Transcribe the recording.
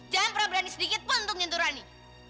jangan pernah berani sedikit pun untuk nyentuh rani